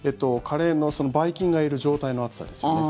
カレーのばい菌がいる状態の熱さですよね。